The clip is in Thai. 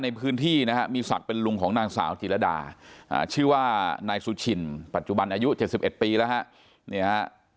ในพื้นที่นะฮะมีศักดิ์เป็นลุงของนางสาวจิรดาชื่อว่านายสุชินปัจจุบันอายุ๗๑ปีแล้วฮะ